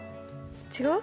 違う？